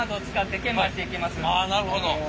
あなるほど。